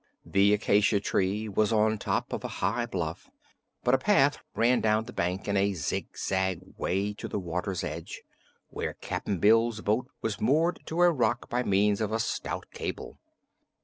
The acacia tree was on top of a high bluff, but a path ran down the bank in a zigzag way to the water's edge, where Cap'n Bill's boat was moored to a rock by means of a stout cable.